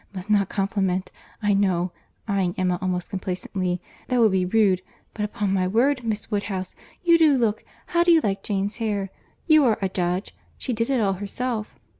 —Must not compliment, I know (eyeing Emma most complacently)—that would be rude—but upon my word, Miss Woodhouse, you do look—how do you like Jane's hair?—You are a judge.—She did it all herself.